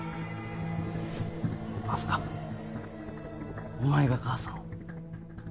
まさかお前が母さんを。